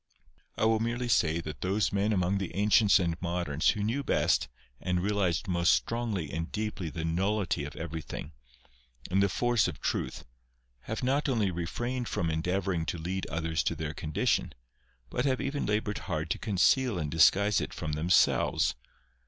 I will merely say that those men among the ancients and moderns who knew best and realised most strongly and deeply the nullity of everything, and the force of truth, have not only refrained from endeavouring to lead others to their condition, but have even laboured hard to conceal and disguise it from themselves.